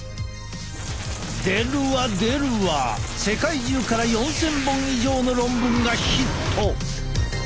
出るわ出るわ世界中から４，０００本以上の論文がヒット！